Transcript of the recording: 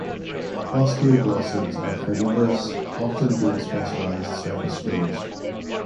Osteoglossids are carnivorous, often being specialized surface feeders.